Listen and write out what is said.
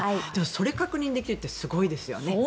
それを確認できるってすごいですよね。